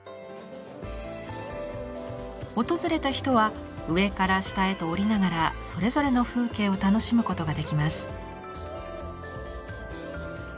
訪れた人は上から下へと下りながらそれぞれの風景を楽しむことができます。